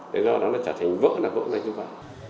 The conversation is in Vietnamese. để do đó nó trở thành vỡ là vỡ ra như vậy